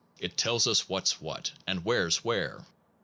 It tells us what s what, and where s where.